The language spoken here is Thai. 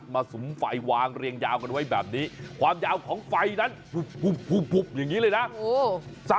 สุมไฟวางเรียงยาวกันไว้แบบนี้ความยาวของไฟนั้นอย่างนี้เลยนะ